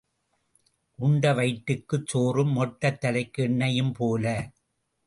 உண்ட வயிற்றுக்குச் சோறும் மொட்டைத் தலைக்கு எண்ணெயும் போல.